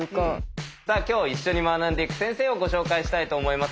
さあ今日一緒に学んでいく先生をご紹介したいと思います。